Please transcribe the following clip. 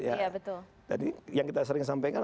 iya betul jadi yang kita sering sampaikan